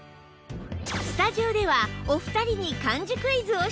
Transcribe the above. スタジオではお二人に漢字クイズを出題！